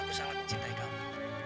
aku sangat mencintai kamu